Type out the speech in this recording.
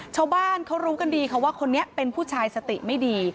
ชาวบ้านเขารู้กันดีค่ะว่าคนนี้เป็นผู้ชายสติไม่ดี